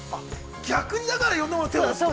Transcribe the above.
◆逆に、だからいろんなものに手を出すと。